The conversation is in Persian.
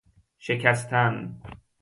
شکستن